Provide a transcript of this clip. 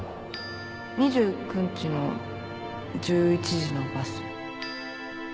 ２９日の１１時のバス